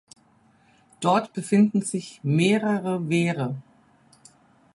Dort befinden sich mehrere Wehre.